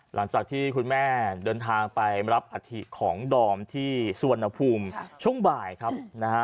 หลังจากที่คุณแม่เดินทางไปรับอัฐิของดอมที่สุวรรณภูมิช่วงบ่ายครับนะฮะ